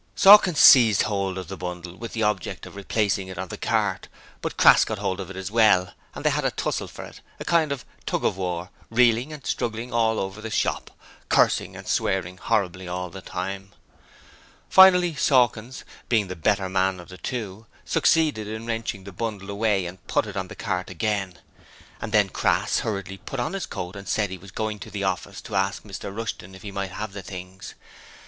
Sawkins seized hold of the bundle with the object of replacing it on the cart, but Crass got hold of it as well and they had a tussle for it a kind of tug of war reeling and struggling all over the shop. cursing and swearing horribly all the time. Finally, Sawkins being the better man of the two succeeded in wrenching the bundle away and put it on the cart again, and then Crass hurriedly put on his coat and said he was going to the office to ask Mr Rushton if he might have the things.